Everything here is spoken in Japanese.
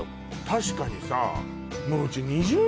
確かにさ